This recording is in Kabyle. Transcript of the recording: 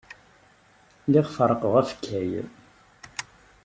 Lliɣ ferrqeɣ akeffay.